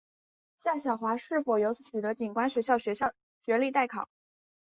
夏晓华是否由此取得警官学校学历待考。